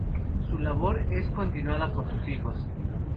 Su labor es continuada por sus hijos.